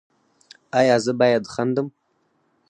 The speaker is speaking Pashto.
ایا زه باید خندم؟